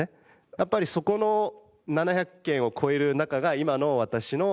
やっぱりそこの７００件を超える仲が今の私の。